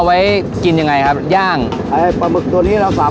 แต่อันนี้คือตาหมึกอะไรครับ